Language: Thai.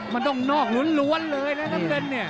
มันต้องนอกลุ้นเลยน้ำเงินนี่